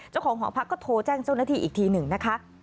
เจ้าของหอพักก็โทรแจ้งเจ้าหน้าที่อีกทีหนึ่งนะคะ